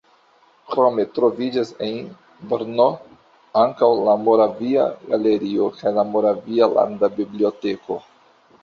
Krome troviĝas en Brno ankaŭ la Moravia galerio kaj la Moravia landa biblioteko.